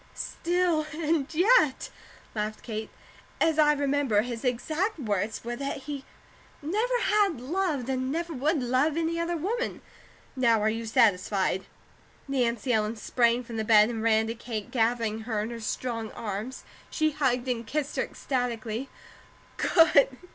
"Still and yet," laughed Kate. "As I remember, his exact words were that he 'never had loved and never would love any other woman.' Now are you satisfied?" Nancy Ellen sprang from the bed and ran to Kate, gathering her in her strong arms. She hugged and kissed her ecstatically. "Good!